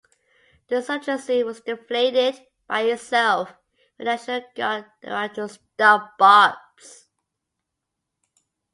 The insurgency was 'deflated' by itself when National Guard arrived to stop Barbes.